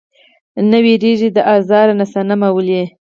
نۀ ويريږي د ازار نه صنم ولې؟